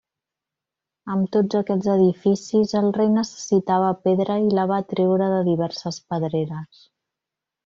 Amb tots aquests edificis, el rei necessitava pedra i la va treure de diverses pedreres.